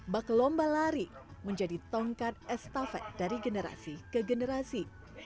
baklomba lari menjadi tongkat estafet dari generasi ke generasi